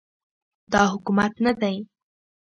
دا حکومت نه دی